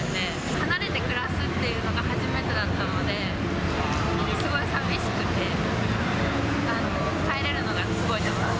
離れて暮らすっていうのが初めてだったので、すごい寂しくて、帰れるのがすごい楽しみです。